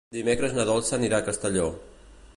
Dimecres na Dolça anirà a Castelló.